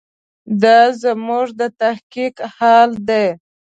دا زموږ د تحقیق حال دی.